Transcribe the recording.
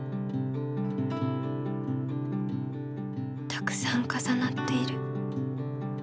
たくさんかさなっている。